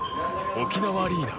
沖縄アリーナ